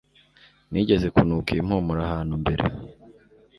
nigeze kunuka iyi mpumuro ahantu mbere